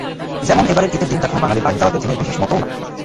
যেমন এবারের ঈদের দিনটা কোনো বাঙালির বাড়ির দাওয়াতের দিনের বিশেষ মতোও নয়।